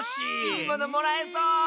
いいものもらえそう！